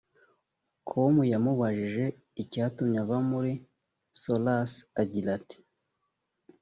com yamubajije icyatumye ava muri solace agira ati